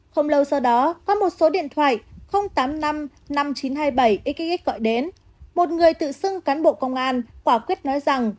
không lâu sau đó có một số điện thoại tám mươi năm năm nghìn chín trăm hai mươi bảy x gọi đến một người tự xưng cán bộ công an quả quyết nói rằng